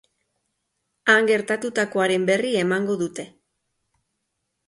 Han gertatutakoaren berri emango dute.